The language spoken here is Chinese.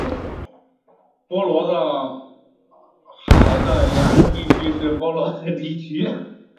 波罗的海的沿岸地区是波罗的地区。